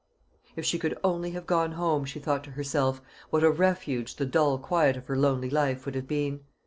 If she could only have gone home, she thought to herself, what a refuge the dull quiet of her lonely life would have been!